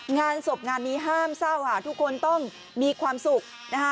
งานศพงานนี้ห้ามเศร้าค่ะทุกคนต้องมีความสุขนะคะ